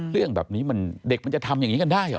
เรื่องแบบนี้มันเด็กมันจะทำอย่างนี้กันได้เหรอ